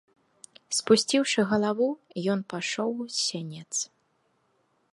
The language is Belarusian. Спусціўшы галаву, ён пайшоў з сянец.